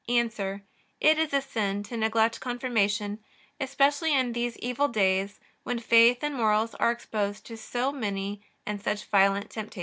A. It is a sin to neglect Confirmation, especially in these evil days when faith and morals are exposed to so many and such violent temptations.